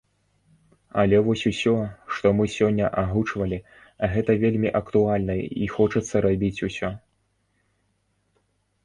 Але вось усё, што мы сёння агучвалі, гэта вельмі актуальна і хочацца рабіць усё!